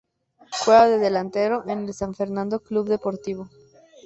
Juega de delantero en el San Fernando Club Deportivo.